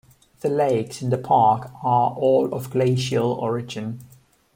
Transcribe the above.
The lakes in the park are all of glacial origin.